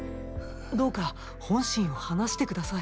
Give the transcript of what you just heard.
どうか本心を話して下さい！